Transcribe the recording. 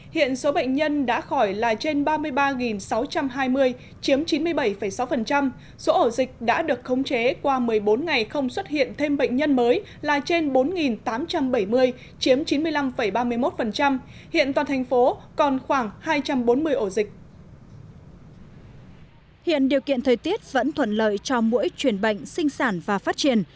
hiện điều kiện thời tiết vẫn thuận lợi cho mỗi chuyển bệnh sinh sản và phát triển